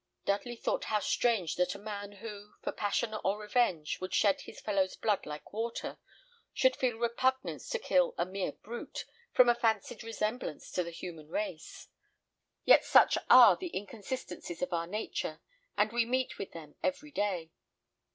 Dudley thought how strange that a man, who, for passion or revenge, would shed his fellow's blood like water, should feel repugnance to kill a mere brute, from a fancied resemblance to the human race. Yet such are the inconsistencies of our nature, and we meet with them every day.